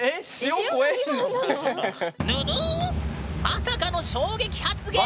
まさかの衝撃発言！